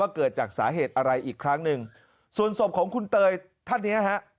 เกิดจากสาเหตุอะไรอีกครั้งหนึ่งส่วนศพของคุณเตยท่านเนี้ยฮะ